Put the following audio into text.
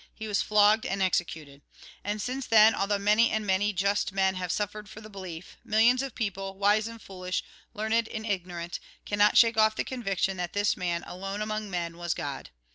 He was flogged and executed. And since then, although many and many just men have suffered for the belief, millions of people, wise and foolish, learned and ignorant, cannot shake off the conviction that this man, alone among men, was God.